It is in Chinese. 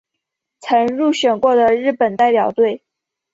曾入选过的日本代表队。